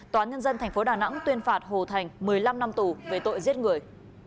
tòa nhân dân tp đà nẵng tuyên phạt hồ thành một mươi năm năm tù về tội giết người